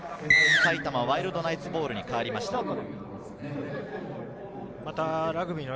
埼玉ワイルドナイツボールに変わりました。